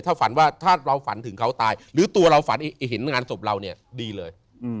ถ้าฝันว่าถ้าเราฝันถึงเขาตายหรือตัวเราฝันเห็นงานศพเราเนี่ยดีเลย